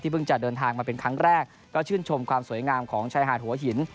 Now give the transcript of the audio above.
เพิ่งจะเดินทางมาเป็นครั้งแรกก็ชื่นชมความสวยงามของชายหาดหัวหิน